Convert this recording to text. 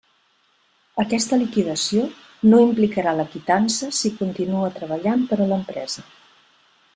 Aquesta liquidació no implicarà la quitança si continua treballant per a l'empresa.